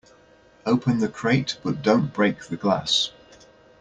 Open the crate but don't break the glass.